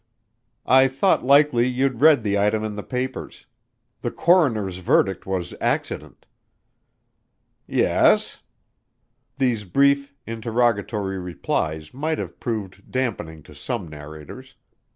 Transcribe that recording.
"I thought likely you'd read the item in the papers. The coroner's verdict was accident." "Yes?" These brief, interrogatory replies might have proved dampening to some narrators.